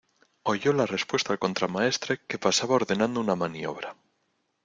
oyó la respuesta el contramaestre, que pasaba ordenando una maniobra